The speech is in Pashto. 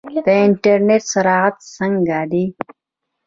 د انټرنیټ سرعت څنګه دی؟